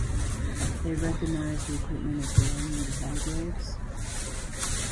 They recognized the equipment as belonging to Hargreaves.